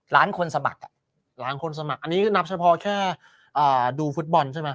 ล้านคนสมัครล้านคนสมัครอันนี้นับเฉพาะแค่ดูฟุตบอลใช่ไหม